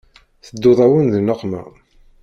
Tedduɣ-awen di nneqma.